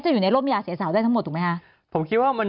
อยู่ในร่มยาเสียสาวได้ทั้งหมดถูกไหมคะผมคิดว่ามัน